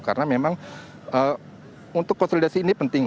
karena memang untuk konsolidasi ini penting